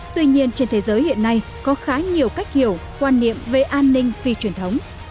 tuy nhiên trên thế giới hiện nay có khá nhiều cách hiểu quan niệm về an ninh phi truyền thống